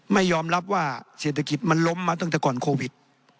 ไม่ยอมรับว่าเศรษฐกิจมันล้มมาตั้งแต่ก่อนโควิด